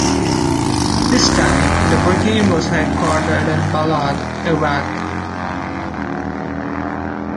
This time, the brigade was headquartered in Balad, Iraq.